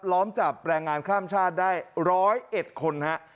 ล้อมจับแรงงานข้ามชาติได้๑๐๑คนฮะ